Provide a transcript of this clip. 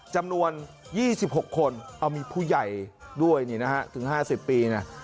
จำนวน๒๖คนเอามีผู้ใหญ่ด้วยนี่นะฮะถึง๕๐ปีนะ